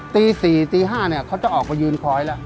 ตี๔ตี๕เนี่ยเขาจะออกไปยืนคอยแล้ว